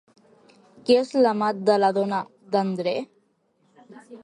Qui és l'amant de la dona d'André?